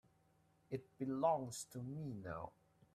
It belongs to me now.